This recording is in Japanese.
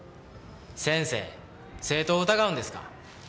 先生生徒を疑うんですか？